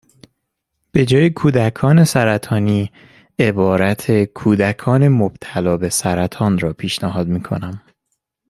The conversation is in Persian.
به جای کودکان سرطانی، عبارت کودکان مبتلا به سرطان را پیشنهاد میکنم